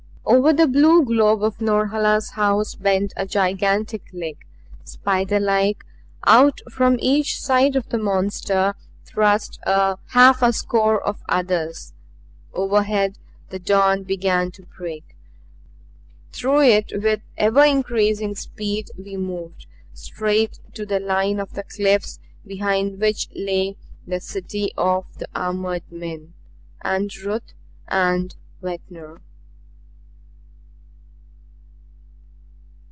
Over the blue globe of Norhala's house bent a gigantic leg. Spiderlike out from each side of the monster thrust half a score of others. Overhead the dawn began to break. Through it with ever increasing speed we moved, straight to the line of the cliffs behind which lay the city of the armored men and Ruth and Ventnor.